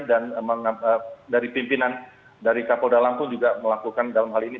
dan dari pimpinan dari kapol dalang pun juga melakukan dalam hal ini